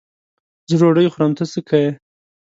زه ډوډۍ خورم؛ ته څه که یې.